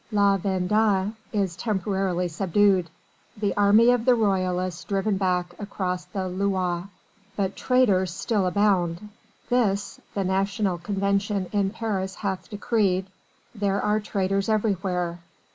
La Vendée is temporarily subdued; the army of the royalists driven back across the Loire; but traitors still abound this the National Convention in Paris hath decreed there are traitors everywhere.